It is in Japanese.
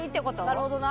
なるほどな。